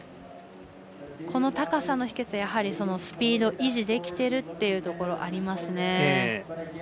この高さの秘けつはスピード維持できてるというところがありますね。